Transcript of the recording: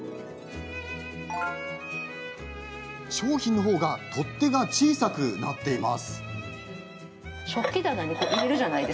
商品のほうが取っ手が小さくなっています。